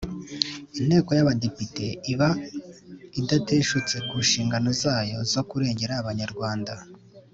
Inteko y’Abadepite iba idateshutse ku nshingano zayo zo kurengera Abanyarwanda